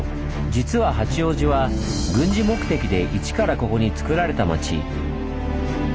実は八王子は軍事目的で一からここにつくられた町。